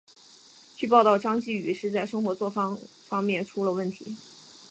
据报道张继禹是在生活作风方面出了问题。